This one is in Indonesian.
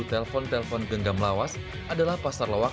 telpon telpon genggam lawas adalah pasar lawak